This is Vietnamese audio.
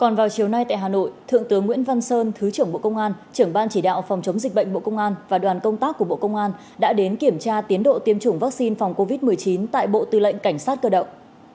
còn vào chiều nay tại hà nội thượng tướng nguyễn văn sơn thứ trưởng bộ công an trưởng ban chỉ đạo phòng chống dịch bệnh bộ công an và đoàn công tác của bộ công an đã đến kiểm tra tiến độ tiêm chủng vaccine phòng covid một mươi chín tại bộ tư lệnh cảnh sát cơ động